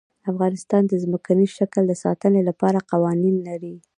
افغانستان د ځمکنی شکل د ساتنې لپاره قوانین لري.